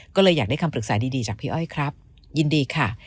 ก็เลยอยากได้คำปรึกษาดีจากพี่อ้อยครับยินดีค่ะ